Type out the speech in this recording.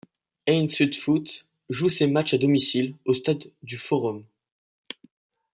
Ain Sud Foot joue ses matchs à domicile au stade du Forum.